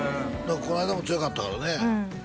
この間も強かったからねうん